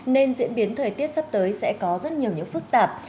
nên diễn biến thời tiết sắp tới sẽ có rất nhiều những phức tạp